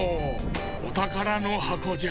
おたからのはこじゃ。